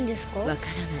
わからない。